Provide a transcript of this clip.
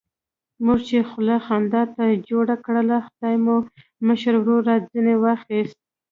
موږ چې خوله خندا ته جوړه کړله، خدای مو مشر ورور را ځنې واخیست.